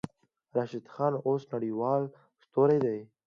راشد خان اوس نړۍوال ستوری دی.